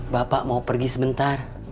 bapak mau pergi sebentar